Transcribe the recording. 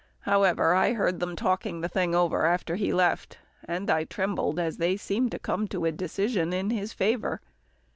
However, I heard them talking the thing over after he left, and I trembled as they seemed to come to a decision in his favour.